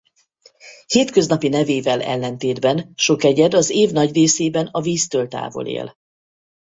Hétköznapi nevével ellentétben sok egyed az év nagy részében a víztől távol él.